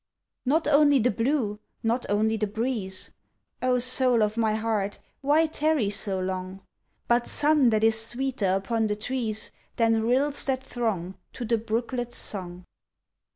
Not only the blue, not only the breeze, (Oh, soul o' my heart, why tarry so long!) But sun that is sweeter upon the trees Than rills that throng To the brooklet's song!